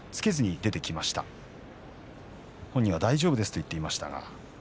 本人は大丈夫と言っていました。